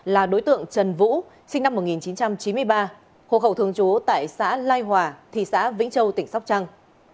là đối tượng trần vũ sinh năm một nghìn chín trăm chín mươi ba hộ khẩu thường trú tại xã lai hòa thị xã vĩnh châu tỉnh sóc trăng